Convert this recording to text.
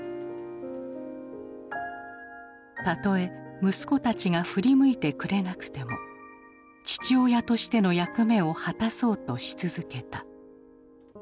たとえ息子たちが振り向いてくれなくても父親としての役目を果たそうとし続けた。